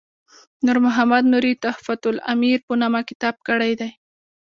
نور محمد نوري تحفة الامیر په نامه کتاب کړی دی.